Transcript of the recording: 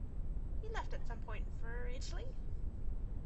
He left at some point for Italy.